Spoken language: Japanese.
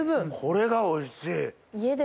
これがおいしい。